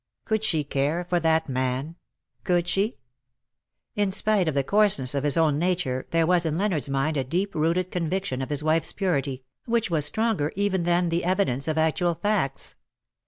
Could she care for that man ? Could she ? In spite of the coarseness of his own nature, there was in Leonard's mind a deep rooted conviction of his wife's purity,, which was stronger even than the evidence of actual facts.